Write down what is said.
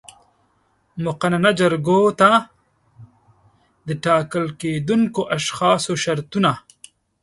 مقننه جرګو ته د ټاکل کېدونکو اشخاصو شرطونه